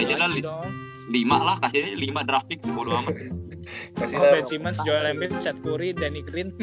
aja lima lah kasih lima draftik kemudian kasih nasional mp tiga dn